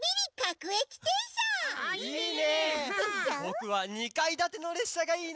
ぼくは２かいだてのれっしゃがいいな！